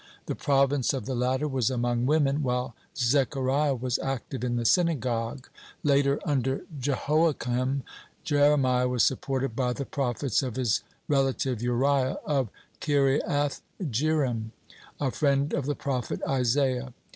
The province of the latter was among women, while Zechariah was active in the synagogue. (13) Later, under Jehoiakim, Jeremiah was supported by the prophets of his relative Uriah of Kiriathjearim, a friend of the prophet Isaiah.